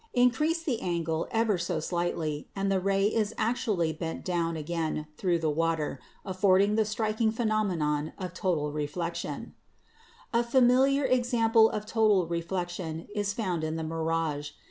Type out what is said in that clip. Increase the angle ever so slightly, and the ray is actually bent down again through the water, affording the striking phenomenon of total reflection. A familiar example of total reflection is found in the mirage.